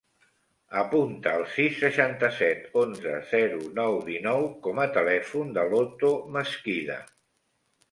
Apunta el sis, seixanta-set, onze, zero, nou, dinou com a telèfon de l'Oto Mesquida.